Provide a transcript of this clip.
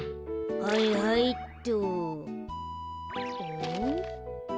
はいはいっと。